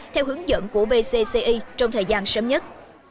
theo hướng dẫn của vcci trong thời gian sớm nhất